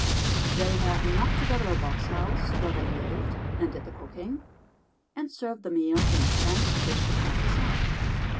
They had knocked together a box house, where they lived and did the cooking, and served the meals in a tent pitched against the side.